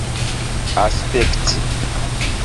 aspekti